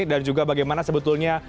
dan juga bagaimana sebetulnya